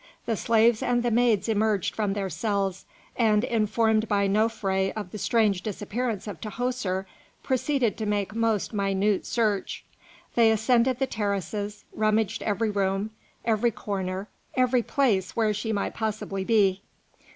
The slaves and the maids emerged from their cells, and informed by Nofré of the strange disappearance of Tahoser, proceeded to make most minute search. They ascended the terraces, rummaged every room, every corner, every place where she might possibly be.